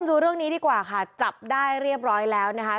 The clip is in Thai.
ดูเรื่องนี้ดีกว่าค่ะจับได้เรียบร้อยแล้วนะคะ